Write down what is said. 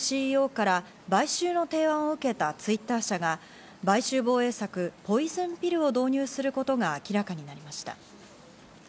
ＣＥＯから買収の提案を受けたＴｗｉｔｔｅｒ社が買収防衛策ポイズンピルを導入することが明らかになりました。